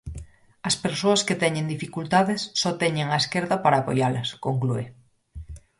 "As persoas que teñen dificultades só teñen á esquerda para apoialas", conclúe.